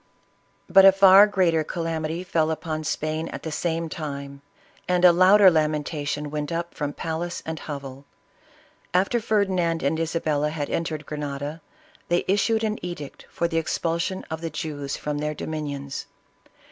But a far greater calamity fell upon Spain at the same time, and a louder lamentation went up from palace and hovel. After Ferdinand and Isabella had entered Grenada, they issued an edict for the expul sion of the Jews from their dominions.